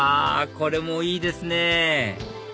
これもいいですね！